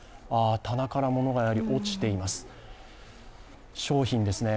棚からものが落ちています、商品ですね。